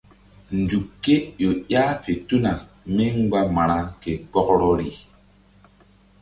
Nzuk ké ƴo ƴah fe tuna mí mgba ma̧ra ke kpɔkrɔri.